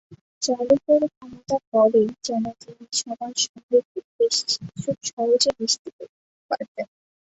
জাদুকরি ক্ষমতার বলেই যেন তিনি সবার সঙ্গে খুব সহজে মিশতে পারতেন।